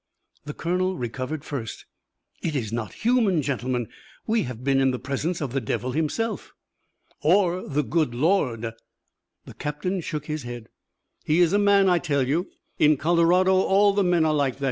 The colonel recovered first. "It is not human. Gentlemen, we have been in the presence of the devil himself." "Or the Good Lord." The captain shook his head. "He is a man, I tell you. In Colorado all the men are like that.